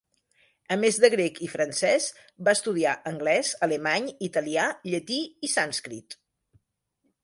A més de grec i francès, va estudiar anglès, alemany, italià, llatí i sànscrit.